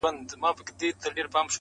• ما درته وژړل، ستا نه د دې لپاره.